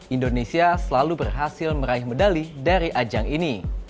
indonesia selalu berhasil meraih medali dari ajang ini